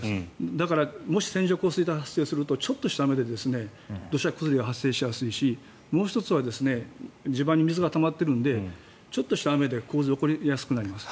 だから、もし線状降水帯が発生するとちょっとした雨で土砂崩れが発生しやすいしもう１つは地盤に水がたまっているのでちょっとした雨で洪水が起こりやすくなります。